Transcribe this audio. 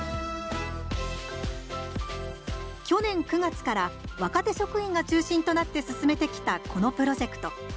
去年９月から若手職員が中心となって進めてきたこのプロジェクト。